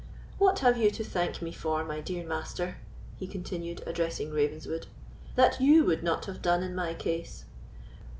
What have you to thank me for, my dear Master," he continued, addressing Ravenswood, "that you would not have done in my case?